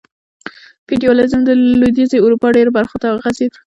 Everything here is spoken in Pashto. فیوډالېزم د لوېدیځې اروپا ډېرو برخو ته وغځېد.